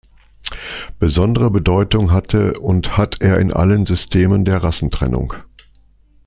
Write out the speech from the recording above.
Besondere Bedeutung hatte und hat er in allen Systemen der Rassentrennung.